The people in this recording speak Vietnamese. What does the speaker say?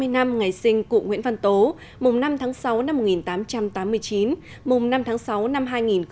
ba mươi năm ngày sinh cụ nguyễn văn tố mùng năm tháng sáu năm một nghìn tám trăm tám mươi chín mùng năm tháng sáu năm hai nghìn một mươi chín